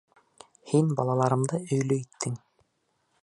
Һин балаларымды өйлө иттең!